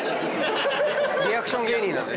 リアクション芸人なんでね。